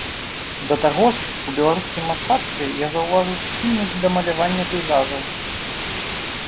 Да таго ж, у беларускім мастацтве я заўважыў схільнасць да малявання пейзажаў.